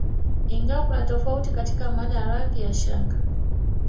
Ingawa kuna tofauti katika maana ya rangi ya shanga